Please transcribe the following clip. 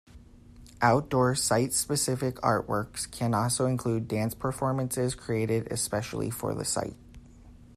Outdoor site-specific artworks can also include dance performances created especially for the site.